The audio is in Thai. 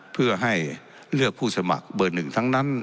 เพื่อให้เลือกผู้สมัครเบอร์หนึ่งทั้งนั้น